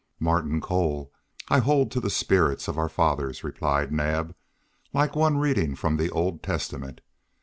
"Martin Cole, I hold to the spirit of our fathers," replied Naab, like one reading from the Old Testament.